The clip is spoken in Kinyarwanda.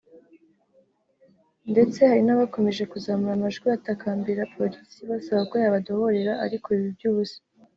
ndetse hari n’abakomeje kuzamura amajwi batakambira Polisi basaba ko yabadohorera ariko biba iby’ubusa